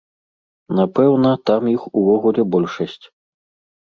Напэўна, там іх увогуле большасць.